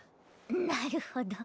なるほど。